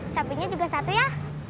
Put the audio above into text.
cabainya juga satu ya